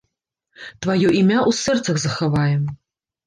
Тваё імя ў сэрцах захаваем.